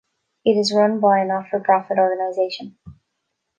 It is run by a not-for-profit organization.